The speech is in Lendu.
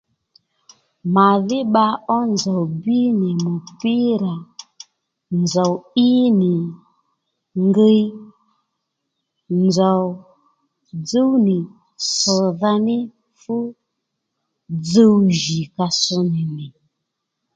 Màdhí bba ó nzòw bíy nì mùpírà nzòw í nì ngiy nzòw dzúw nì ss̀dha ní fú dzuw jì ka ss nì nì